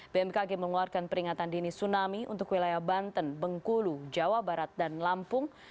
bmkg mengeluarkan peringatan dini tsunami untuk wilayah banten bengkulu jawa barat dan lampung